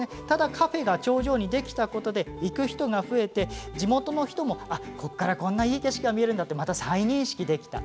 カフェが頂上にできたことで行く人が増えて地元の人も、ここからいい景色が見えるんだと再認識できた。